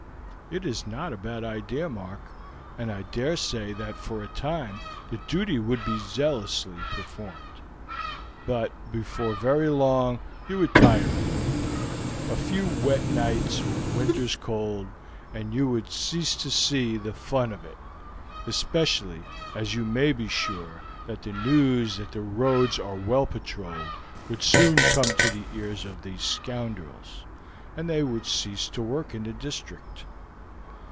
"It is not a bad idea, Mark, and I dare say that for a time the duty would be zealously performed, but before very long you would tire of it. A few wet nights or winter's cold, and you would cease to see the fun of it, especially as you may be sure that the news that the roads are well patrolled would soon come to the ears of these scoundrels, and they would cease to work in the district."